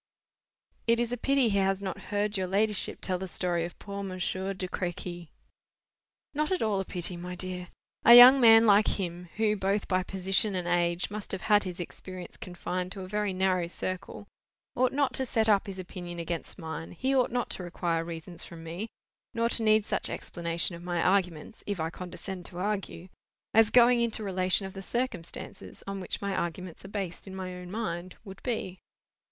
"It is a pity he has not heard your ladyship tell the story of poor Monsieur de Crequy." "Not at all a pity, my dear. A young man like him, who, both by position and age, must have had his experience confined to a very narrow circle, ought not to set up his opinion against mine; he ought not to require reasons from me, nor to need such explanation of my arguments (if I condescend to argue), as going into relation of the circumstances on which my arguments are based in my own mind, would be."